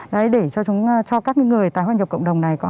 để cho các người tái hòa nhập cộng đồng này